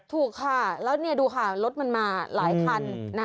ถูกค่ะแล้วดูค่ะรถมันมาหลายคัน